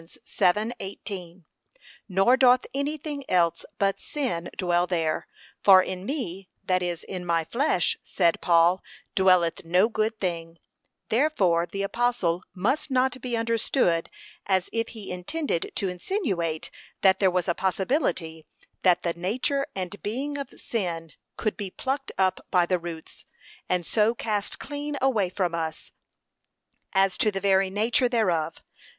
7:18) nor doth any thing else but sin dwell there: 'for in me, that is, in my flesh, said Paul, 'dwelleth no good thing:' therefore the apostle must not be understood as if he intended to insinuate that there was a possibility that the nature and being of sin could be plucked up by the roots, and so cast clean away from us, as to the very nature thereof.